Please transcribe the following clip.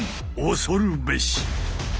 恐るべし！